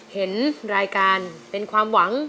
เห็นรายการเป็นความหวัง